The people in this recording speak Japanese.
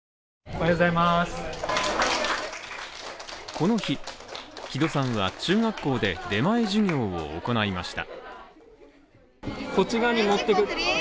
この日、木戸さんが中学校で出前授業を行いました。